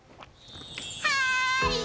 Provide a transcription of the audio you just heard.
はい！